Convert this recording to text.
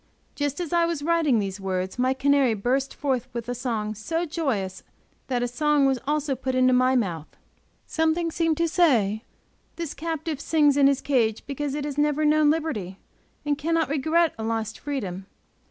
Just as I was writing these words, my canary burst forth with a song so joyous that a song was put also into my mouth. Something seemed to say, this captive sings in his cage because it has never known liberty, and cannot regret a lost freedom.